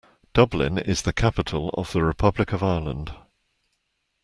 Dublin is the capital of the Republic of Ireland.